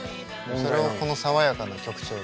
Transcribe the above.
それをこの爽やかな曲調に。